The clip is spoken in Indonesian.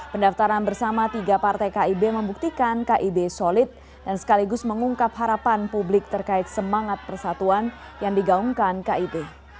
pendaftaran bersama tiga partai kib membuktikan kib solid dan sekaligus mengungkap harapan publik terkait semangat persatuan yang digaungkan kib